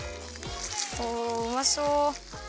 おおうまそう。